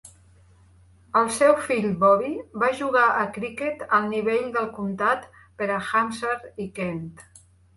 El seu fill, Bobby, va jugar a criquet al nivell del comtat per a Hampshire i Kent.